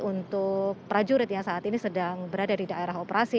untuk prajurit yang saat ini sedang berada di daerah operasi